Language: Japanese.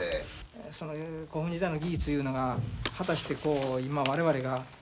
古墳時代の技術いうのが果たしてこう今我々が。